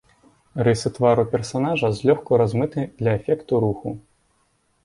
Рысы твару персанажа злёгку размыты для эфекту руху.